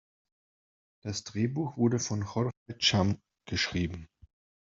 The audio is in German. Das Drehbuch wurde von Jorge Cham geschrieben.